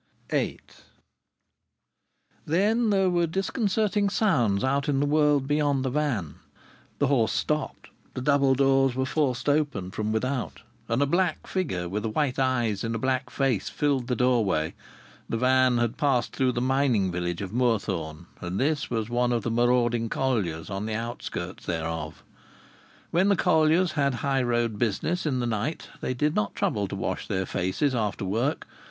VIII Then there were disconcerting sounds out in the world beyond the van. The horse stopped. The double doors were forced open from without, and a black figure, with white eyes in a black face, filled the doorway. The van had passed through the mining village of Moorthorne, and this was one of the marauding colliers on the outskirts thereof. When the colliers had highroad business in the night they did not trouble to wash their faces after work.